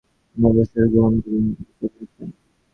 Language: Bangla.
তিনি অবসর গ্রহণ করে ইংল্যান্ডে চলে আসেন।